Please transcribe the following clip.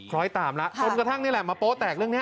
ร้อยตามแล้วจนกระทั่งนี่แหละมาโป๊แตกเรื่องนี้